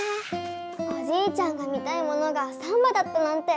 おじいちゃんが見たいものがサンバだったなんて。